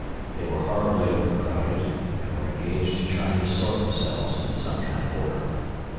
They were horribly overcrowded, and were engaged in trying to sort themselves into some sort of order.